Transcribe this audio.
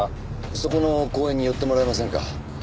そこの公園に寄ってもらえませんか？